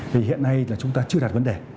vì hiện nay là chúng ta chưa đặt vấn đề